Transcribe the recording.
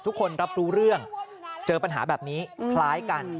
ทุกคนรับรู้เรื่องเจอปัญหาแบบนี้คล้ายกัน